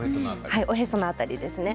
おへその辺りですね。